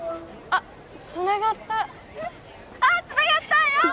あっつながったやっほ！